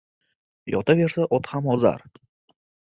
Yotaversa, ot ham ozar.